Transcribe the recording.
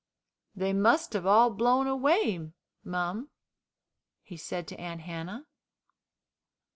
"They must have all blown away, mum," he said to Aunt Hannah.